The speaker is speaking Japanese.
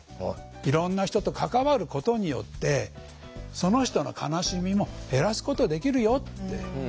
いろんな人と関わることによってその人の悲しみも減らすことできるよって。